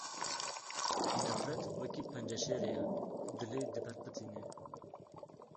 Nefret wekî pençeşêrê ye, dilî diperpitîne.